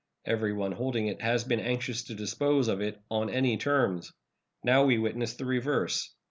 Everyone holding it has been anxious to dispose of it on any terms. Now we witness the reverse.